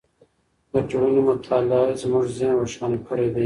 د ټولنې مطالعې زموږ ذهن روښانه کړی دی.